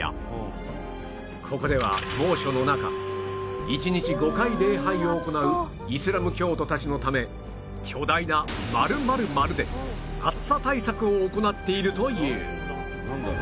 ここでは猛暑の中１日５回礼拝を行うイスラム教徒たちのためを行っているという